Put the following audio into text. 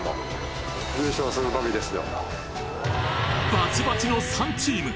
バチバチの３チーム。